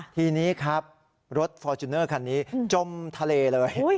ทีนี้ครับรถฟอร์จูเนอร์คันนี้จมทะเลเลย